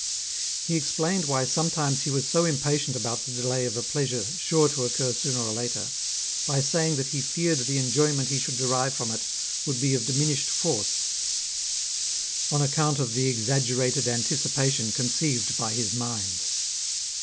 He explained why sometimes he was so impatient about the delay of a pleasure sure to occur sooner or later, by saying that he feared the enjoyment he should derive from it would be of diminished force, on .account of the exaggerated anticipation conceived by his mind.